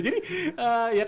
jadi ya kan